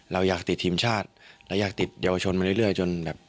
เราอยากติดทีมชาติและอยากติดเยาวชนมาเรื่อยจนแบบ